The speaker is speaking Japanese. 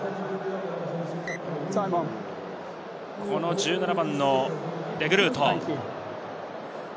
１７番のデグルート。